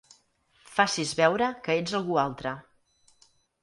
Facis veure que ets algú altre.